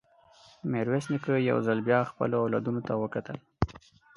ميرويس نيکه يو ځل بيا خپلو اولادونو ته وکتل.